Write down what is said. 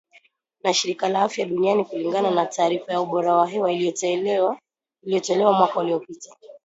na shirika la afya duniani kulingana na taarifa ya ubora wa hewa iliyotolewa mwaka uliopita